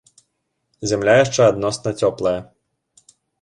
Зямля яшчэ адносна цёплая.